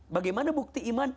bagaimana bukti iman